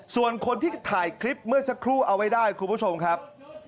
ส่วนคนที่ถ่ายคลิปเมื่อสักครู่เอาไว้ได้คุณผู้ชมครับ